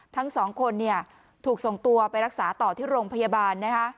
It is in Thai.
ทั้งสองคนถูกส่งตัวไปรักษาต่อที่โรงพยาบาลนะคะ